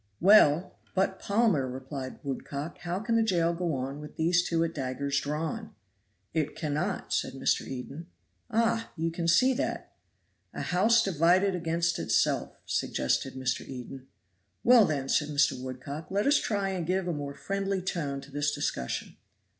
"Well, but, Palmer," replied Woodcock, "how can the jail go on with these two at daggers drawn?" "It cannot," said Mr. Eden. "Ah, you can see that." "A house divided against itself!" suggested Mr. Eden. "Well, then," said Mr. Woodcock, "let us try and give a more friendly tone to this discussion."